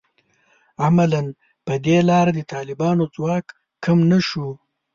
عملاً په دې لاره د طالبانو ځواک کم نه شو